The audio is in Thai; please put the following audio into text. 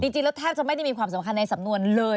จริงแล้วแทบจะไม่ได้มีความสำคัญในสำนวนเลย